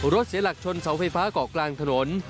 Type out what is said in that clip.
รถเสียหลักชนเสาไฟฟ้าเกาะกลางถนน